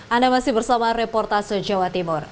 anda masih bersama reportase jawa timur